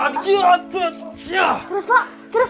terus pak terus